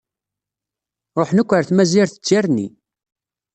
Ṛuḥen akk ar tmazirt d tirni.